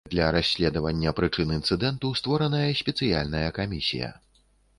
Для расследавання прычын інцыдэнту створаная спецыяльная камісія.